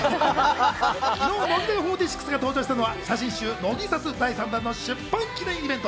昨日、乃木坂４６が登場したのは写真集『乃木撮』第３弾の出版記念イベント。